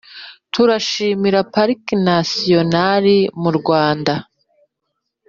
Turashimira Pariki Nasiyonali mu Rwanda